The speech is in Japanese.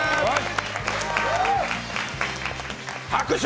拍手！